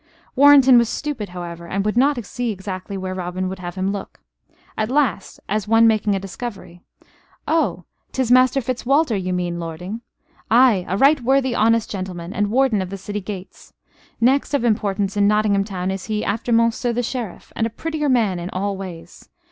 Warrenton was stupid, however, and would not see exactly where Robin would have him look. At last, as one making a discovery: "Oh, 'tis Master Fitzwalter you mean, lording? Ay, a right worthy, honest gentleman; and warden of the city gates. Next of importance in Nottingham town is he after Monceux, the Sheriff; and a prettier man in all ways.